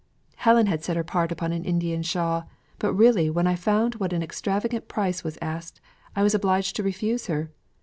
"Helen had set her heart upon an Indian shawl, but really when I found what an extravagant price was asked, I was obliged to refuse her.